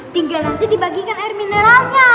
tinggal nanti dibagikan air mineralnya